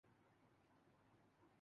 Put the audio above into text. وہ معجزہ تھا۔